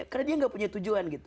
karena dia gak punya tujuan gitu